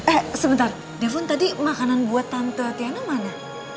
eh sebentar defun tadi makanan buat tante tiana mana